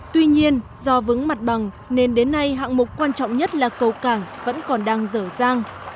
tuy nhiên do vướng mặt bằng nên đến nay hạng mục quan trọng nhất là cầu cảng vẫn còn đang dở dàng